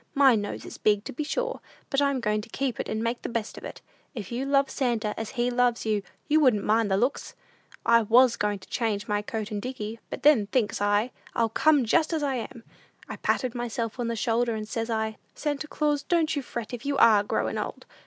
My nose is big, to be sure, but I'm going to keep it and make the best of it! If you love Santa as he loves you, you wouldn't mind the looks. I was going to change my coat and dickey; but then, thinks I, I'll come just as I am! I patted myself on the shoulder, and says I, 'Santa Claus, don't you fret if you are growin' old!